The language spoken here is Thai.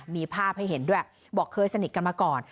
มีภาพให้เห็นด้วยบอกเคยสนิทกันมาก่อน